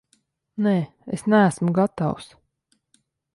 Nē, es neesmu gatavs.